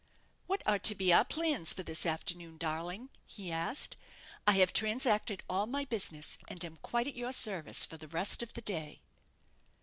"What are to be our plans for this afternoon, darling?" he asked. "I have transacted all my business, and am quite at your service for the rest of the day."